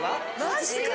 マジか？